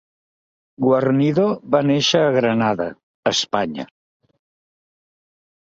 Guarnido va néixer a Granada, Espanya.